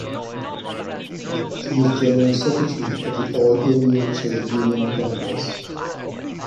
She is General Secretary of the All India Trade Union Congress.